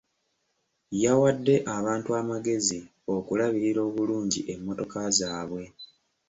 Yawadde abantu amagezi okulabirira obulungi emmotoka zaabwe.